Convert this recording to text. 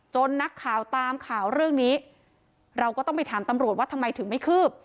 นักข่าวตามข่าวเรื่องนี้เราก็ต้องไปถามตำรวจว่าทำไมถึงไม่คืบ